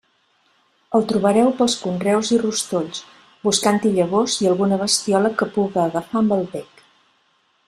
El trobareu pels conreus i rostolls buscant-hi llavors i alguna bestiola que puga agafar amb el bec.